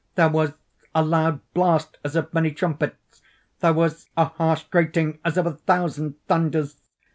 There was a loud blast as of many trumpets! There was a harsh grating as of a thousand thunders!